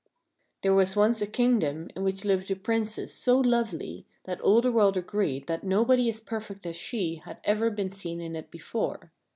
¥ T HERE was once a kingdom in which lived a Prin cess so lovely that all the world agreed that nobody as perfect as she had ever been seen in it before.